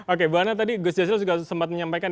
oke buwana tadi gus jasil juga sempat menyampaikan